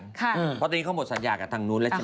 เพราะตอนนี้เขาหมดสัญญากับทางนู้นแล้วใช่ไหม